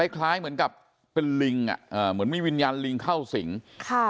คล้ายเหมือนกับเป็นลิงอ่ะอ่าเหมือนมีวิญญาณลิงเข้าสิงค่ะ